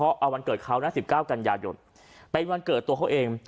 อ่ะวันเกิดเขาน่ะสิบเก้ากันยาหยนต์เป็นวันเกิดตัวเขาเอง